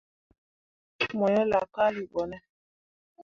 Mo yo laakalii ɓo ne ?